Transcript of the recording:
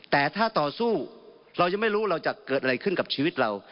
แต่ถ้าต่อสู้เรายังไม่รู้เราจะเกิดอะไรขึ้นกับชีวิตเรา